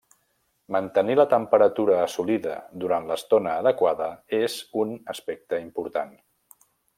Mantenir la temperatura assolida durant l'estona adequada és un aspecte important.